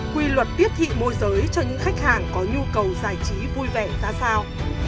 quy luật tiếp thị môi giới cho những khách hàng có nhu cầu giải trí vui vẻ ra sao